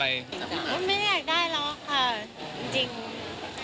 ไม่ได้อยากได้หรอกค่ะ